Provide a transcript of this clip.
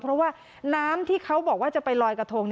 เพราะว่าน้ำที่เขาบอกว่าจะไปลอยกระทง